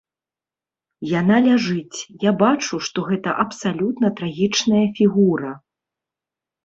Яна ляжыць, я бачу, што гэта абсалютна трагічная фігура.